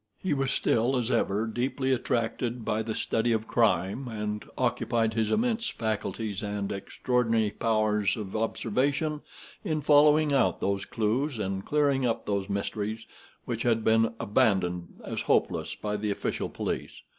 He was still, as ever, deeply attracted by the study of crime, and occupied his immense faculties and extraordinary powers of observation in following out those clews, and clearing up those mysteries, which had been abandoned as hopeless by the official police.